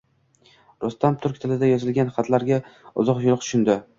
Rustam turk tilida yozilgan xatlarga uzuq-yuluq tushundi